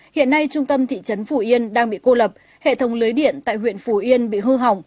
hiện nay trung tâm thị trấn phủ yên đang bị cô lập hệ thống lưới điện tại huyện phủ yên bị hư hỏng